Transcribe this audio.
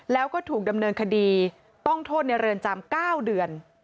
แล้วก็ถูกดำเนินคดีต้องโทษในเรือนจำ๙เดือน